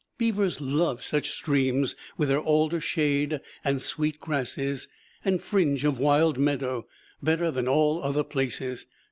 Beavers love such streams, with their alder shade and sweet grasses and fringe of wild meadow, better than all other places.